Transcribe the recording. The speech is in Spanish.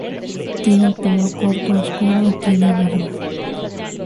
Tiene el pelo corto, oscuro, y tiene barba.